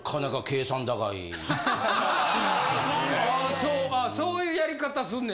そうそういうやり方すんねや。